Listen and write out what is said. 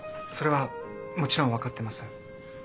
それはもちろん分かってます。